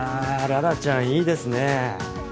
羅羅ちゃんいいですね。